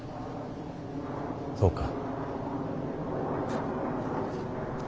そうか。